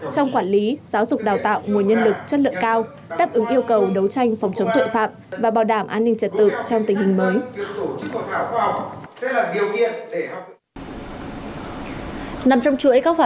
trong quản lý giáo dục đào tạo nguồn nhân lực chất lượng cao